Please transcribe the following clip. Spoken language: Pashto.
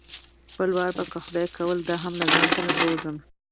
بل وار به که خدای کول دا هم له ځان سره بوځم.